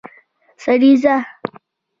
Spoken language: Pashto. سریزه